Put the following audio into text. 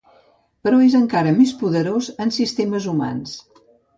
Però és encara més poderós en sistemes humans.